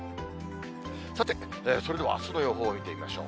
さて、それではあすの予報を見てみましょう。